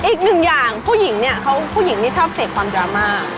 อีกหนึ่งอย่างผู้หญิงนี่ชอบเสกความดราม่า